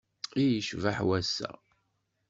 I yecbeḥ wass-a!